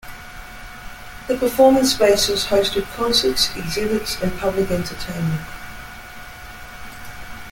The performance spaces hosted concerts, exhibits, and public entertainment.